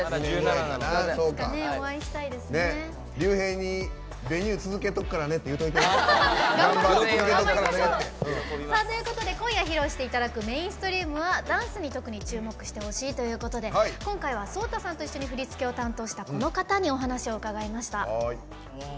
ＲＹＵＨＥＩに「Ｖｅｎｕｅ」続けとくって今夜、披露していただく「Ｍａｉｎｓｔｒｅａｍ」はダンスに特に注目してほしいということで今回はＳＯＴＡさんと一緒に振り付けを担当したこの方にお話を伺いました。